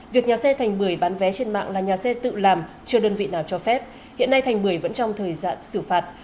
việc nhà xe thành bưởi bán vé trên mạng là nhà xe tự làm chưa đơn vị nào cho phép hiện nay thành bưởi vẫn trong thời gian xử phạt